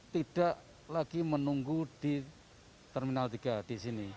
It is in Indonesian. tidak lagi menunggu di terminal tiga di sini